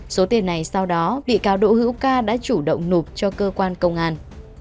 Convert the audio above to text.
số tiền này sau đó bị cáo đỗ hiệu ca đã chủ động nụp cho cơ quan công an